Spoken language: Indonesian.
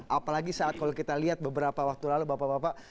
apalagi saat kalau kita lihat beberapa waktu lalu bapak bapak